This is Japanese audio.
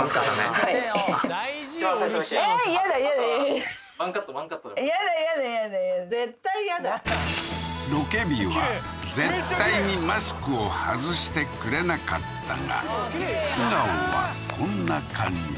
はいロケ日は絶対にマスクを外してくれなかったが素顔はこんな感じ